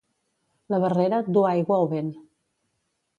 La barrera du aigua o vent.